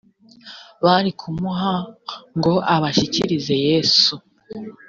bari kumuha ngo abashyikirize yesu